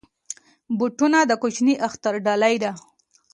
بوټونه د کوچني اختر ډالۍ ده.